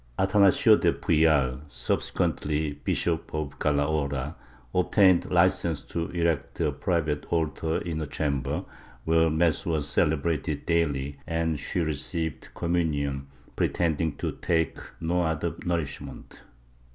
Atanasio de Puyal, subse quently Bishop of Calahorra, obtained licence to erect a private altar in her chamber, where mass was celebrated daily, and she received commmiion, pretending to take no other nourishment.